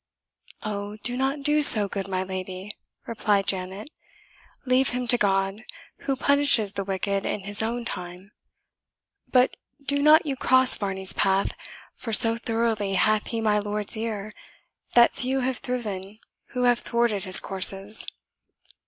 "Oh, do not do so, good my lady!" replied Janet; "leave him to God, who punishes the wicked in His own time; but do not you cross Varney's path, for so thoroughly hath he my lord's ear, that few have thriven who have thwarted his courses."